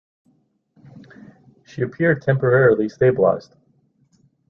She appeared temporarily stabilized.